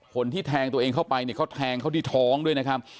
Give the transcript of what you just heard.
คนที่แทงตัวเองเข้าไปเนี่ยเขาแทงเขาที่ท้องด้วยนะครับ